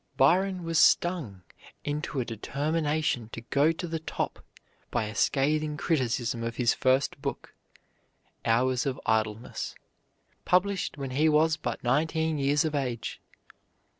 Byron was stung into a determination to go to the top by a scathing criticism of his first book, "Hours of Idleness," published when he was but nineteen years of age.